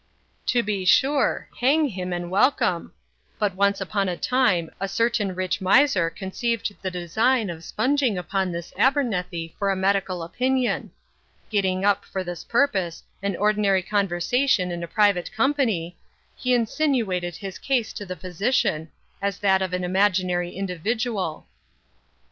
"To be sure! hang him and welcome. But, once upon a time, a certain rich miser conceived the design of spunging upon this Abernethy for a medical opinion. Getting up, for this purpose, an ordinary conversation in a private company, he insinuated his case to the physician, as that of an imaginary individual.